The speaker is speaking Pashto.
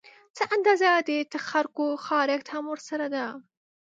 څه اندازه د تخرګو خارښت هم ورسره ده